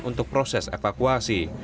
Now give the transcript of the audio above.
untuk proses evakuasi